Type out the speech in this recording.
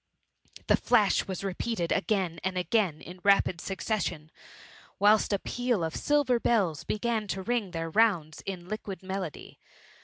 The flas^ was repeated again and again in rapid succes sion, whilst a peaFof silver bells began to ring their rounds in liquid melody.